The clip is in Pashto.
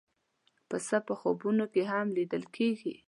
پسه په خوبونو کې هم لیدل کېږي.